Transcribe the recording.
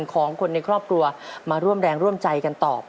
ของคนในครอบครัวมาร่วมแรงร่วมใจกันตอบ